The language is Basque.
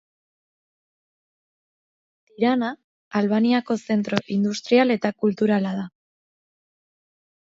Tirana, Albaniako zentro industrial eta kulturala da.